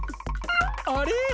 あれ？